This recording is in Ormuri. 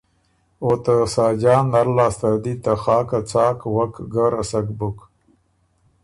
او ته ساجان نر لاسته ر دی ته خاکه څاک وک ګۀ رسک بُک۔